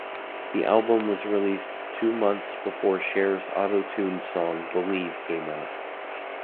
The album was released two months before Cher's autotuned song "Believe" came out.